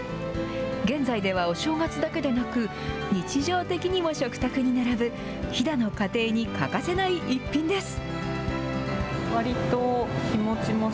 現在ではお正月だけでなく、日常的にも食卓に並ぶ、飛騨の家庭に欠かせない一品です。